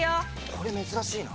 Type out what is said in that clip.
これ珍しいな。